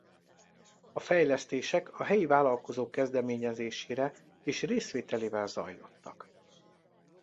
A fejlesztések a helyi vállalkozók kezdeményezésére és részvételével zajlottak.